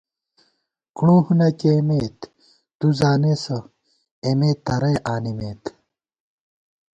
کݨوہ نہ کېئیمېت ، تُو زانېسہ اېمےتَرَئی آنِمېت